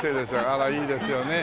あらいいですよね。